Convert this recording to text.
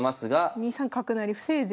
２三角成防いで。